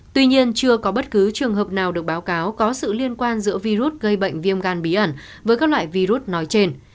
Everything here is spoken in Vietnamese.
tuy nhiên chưa có bất cứ trường hợp nào được báo cáo có sự liên quan giữa virus gây bệnh viêm gan bí ẩn với các loại virus nói trên